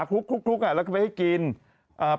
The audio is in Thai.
กุ๊กแล้วคือไปให้กินน้อง